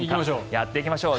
やっていきましょう。